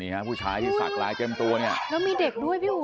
นี่ค่ะผู้ชายที่สักรายเพลิงตัวเนี่ยแล้วมีเด็กด้วยบี่